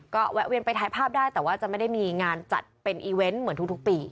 ก็แวะเวียนไปถ่ายภาพได้แต่ว่าจะไม่ได้มีงานจัดเป็นอีเวนต์เหมือนทุกปี